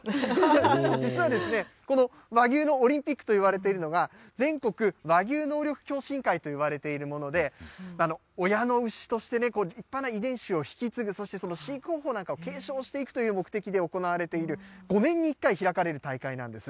実はですね、この和牛のオリンピックといわれているのが、全国和牛能力共進会といわれているもので、親の牛として立派な遺伝子を引き継ぐ、そして、その飼育方法なんかを継承していくという目的で行われている、５年に１回開かれる大会なんです。